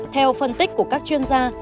theo phân tích của các chuyên gia